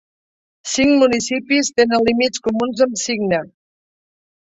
Cinc municipis tenen límits comuns amb Signa.